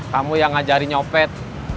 kamu yang ngajari nyopet